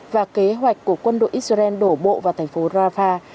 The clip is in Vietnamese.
và kế hoạch của quân đội israel đổ bộ vào thành phố rafah